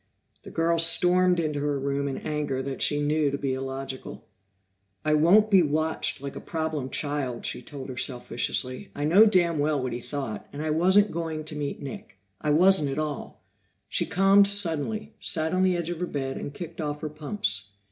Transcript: The girl stormed into her room in anger that she knew to be illogical. "I won't be watched like a problem child!" she told herself viciously. "I know damn well what he thought and I wasn't going to meet Nick! I wasn't at all!" She calmed suddenly, sat on the edge of her bed and kicked off her pumps.